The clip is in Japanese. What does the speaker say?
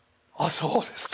そうですか。